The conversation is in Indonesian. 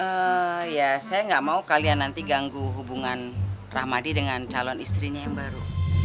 ya saya nggak mau kalian nanti ganggu hubungan rahmadi dengan calon istrinya yang baru